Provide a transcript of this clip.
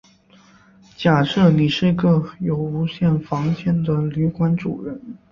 假设你是有无限个房间的旅馆主人。